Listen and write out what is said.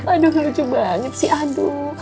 aduh lucu banget sih aduh